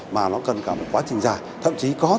mà nó cần cả một quá trình dài